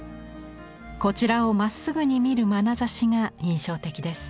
こちらをまっすぐに見るまなざしが印象的です。